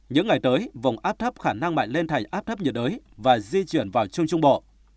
những ngày tới vùng áp thấp khả năng mạnh lên thành áp thấp nhiệt đới và di chuyển vào trung trung bộ